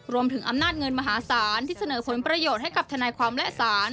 รวมถึงอำนาจเงินมหาศาลที่เสนอผลประโยชน์ให้กับทนายความและศาล